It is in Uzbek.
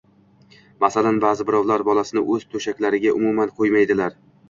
Masalan, baʼzi birovlar bolasini o‘z to‘shaklariga umuman qo‘ymaydilar